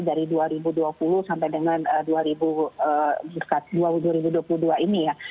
dari dua ribu dua puluh sampai dengan dua ribu dua puluh dua ini ya